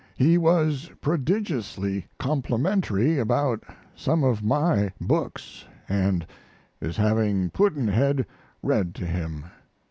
He was prodigiously complimentary about some of my books, & is having Pudd'nhead read to him.